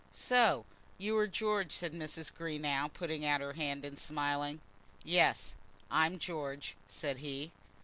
"So you are George," said Mrs. Greenow, putting out her hand and smiling. "Yes; I'm George," said he.